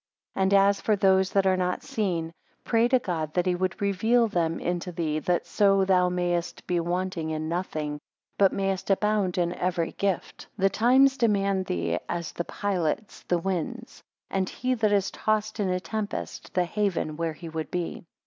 10 And as for those that are not seen, pray to God that he would reveal them into thee, that so thou mayest be wanting in nothing, but mayest abound in every gift. 11 The times demand thee, as the pilots the winds; and he that is tossed in a tempest, the haven where he would be.